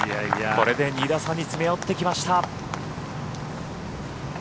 これで２打差に詰め寄ってきました。